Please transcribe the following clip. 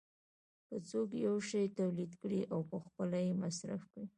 که څوک یو شی تولید کړي او پخپله یې مصرف کړي